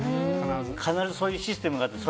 必ず、そういうシステムがあって。